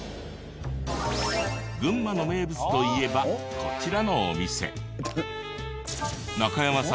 群馬の名物といえばこちらのお店。